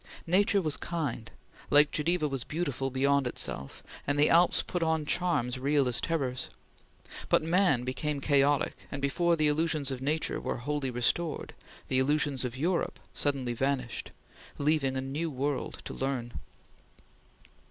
Nature was kind; Lake Geneva was beautiful beyond itself, and the Alps put on charms real as terrors; but man became chaotic, and before the illusions of Nature were wholly restored, the illusions of Europe suddenly vanished, leaving a new world to learn.